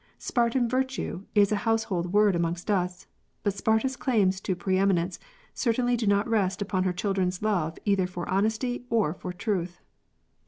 " Spartan virtue " is a household word amongst us, but Sparta's claims to pre eminence certainly do not rest upon her children's love either for honesty or for truth.